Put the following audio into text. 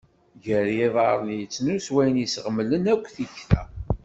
Gar yiḍarren i yettnus wayen i yesɣemlen akk tikta.